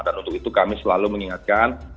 dan untuk itu kami selalu mengingatkan